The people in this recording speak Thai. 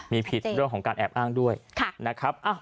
มีผิดเรื่องของการแอบอ้างด้วยนะครับ